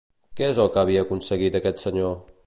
Què és el que havia aconseguit aquest senyor?